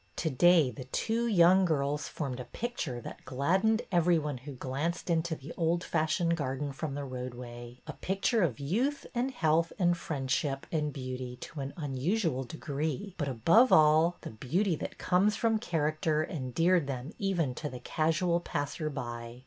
To day the two young girls formed a picture that gladdened every one who glanced into the old fashioned garden from the roadway, — a pic ture of youth and health and friendship and beauty to an unusual degree; but, above all, the beauty that comes from character endeared them even to the casual passer by.